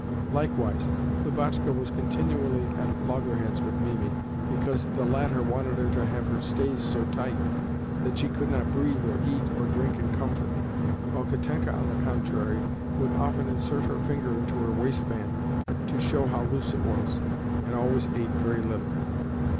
Likewise, Lubotshka was continually at loggerheads with Mimi because the latter wanted her to have her stays so tight that she could not breathe or eat or drink in comfort, while Katenka, on the contrary, would often insert her finger into her waistband to show how loose it was, and always ate very little.